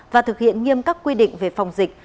và thực hiện nghiêm các quy định về phòng dịch